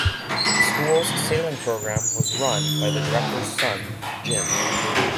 The school's sailing program was run by the directors' son, Jim.